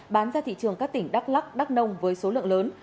bán ra thị trường các tỉnh đắk lắc đắk nông với số lượng lớn